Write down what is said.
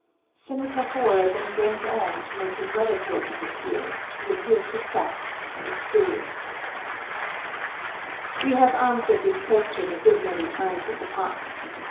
Senator Hoar then went on to make another sort of appeal the appeal to fact and experience: We have answered this question a good many times in the past.